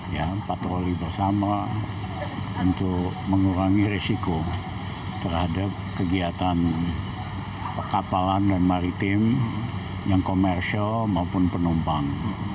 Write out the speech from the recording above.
ya patroli bersama untuk mengurangi resiko terhadap kegiatan kapalan dan maritim yang komersial maupun penumpang